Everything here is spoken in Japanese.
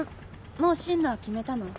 もう進路は決めたの？